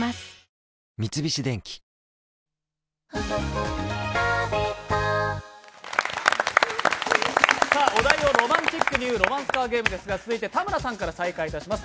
三菱電機お題をロマンチックに言うロマンスカーゲームですが、続いて田村さんから再開いたします。